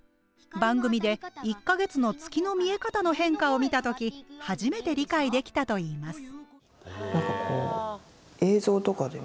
番組で１か月の月の見え方の変化を見た時初めて理解できたといいます。